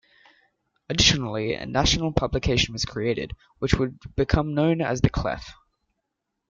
Additionally, a national publication was created, which would become known as The Clef.